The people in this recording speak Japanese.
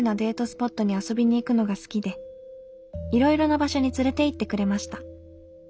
スポットに遊びに行くのが好きでいろいろな場所に連れて行ってくれました。